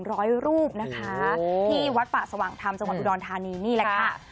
ร้อยรูปนะคะที่วัดป่าสว่างธรรมจังหวัดอุดรธานีนี่แหละค่ะ